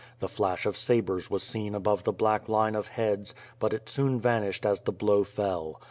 The flash of sabres was seen above the black line of heads, but it soon vanished as the blow fell.